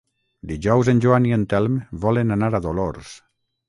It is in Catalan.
Dijous en Joan i en Telm volen anar a Dolors.